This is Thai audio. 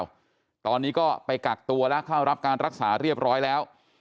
ตอนนี้ก็ไปกักตัวแล้วเข้ารับการรักษาเรียบร้อยแล้ว